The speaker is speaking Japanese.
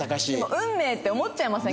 運命って思っちゃいません？